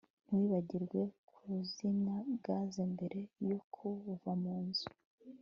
Ntiwibagirwe kuzimya gaze mbere yo kuva munzu